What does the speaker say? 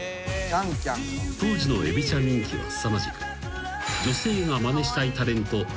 ［当時のエビちゃん人気はすさまじく］